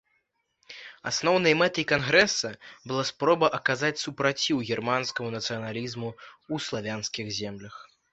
Асноўнай мэтай кангрэса была спроба аказаць супраціў германскаму нацыяналізму ў славянскіх землях.